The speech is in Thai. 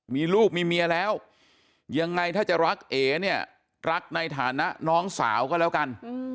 มีลูกมีเมียแล้วยังไงถ้าจะรักเอ๋เนี่ยรักในฐานะน้องสาวก็แล้วกัน